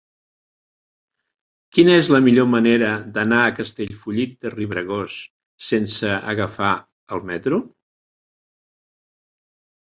Quina és la millor manera d'anar a Castellfollit de Riubregós sense agafar el metro?